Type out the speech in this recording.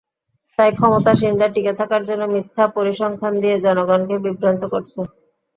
তাই ক্ষমতাসীনরা টিকে থাকার জন্য মিথ্যা পরিসংখ্যান দিয়ে জনগণকে বিভ্রান্ত করছে।